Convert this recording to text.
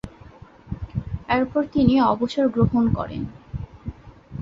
এরপর তিনি অবসর গ্রহণ করেন।